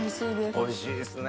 おいしいですね。